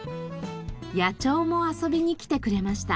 野鳥も遊びに来てくれました。